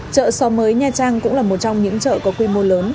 chợ sò mới nha trang cũng là một trong những chợ có quy mô lớn